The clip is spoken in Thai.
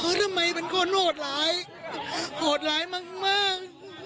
ทำไมเป็นคนโหดร้ายโหดร้ายมาก